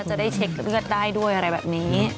จะได้เช็คเลือดได้ด้วยอะไรแบบนี้